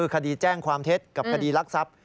คดีแจ้งความเท็จกับคดีรักทรัพย์